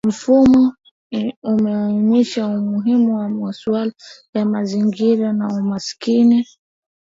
Mfumo umeainisha umuhimu wa masuala ya mazingira na umaskini